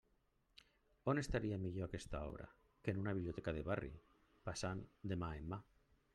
On estaria millor aquesta obra que en una biblioteca de barri passant de mà en mà?